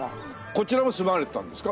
こちらも住まわれてたんですか？